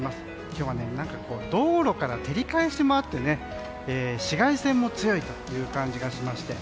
今日は道路から照り返しもあって紫外線も強いという感じがしまして。